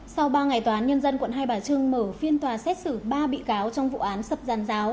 sau ba ngày tòa án nhân dân quận hai bà trưng mở phiên tòa xét xử ba bị cáo trong vụ án sập giàn giáo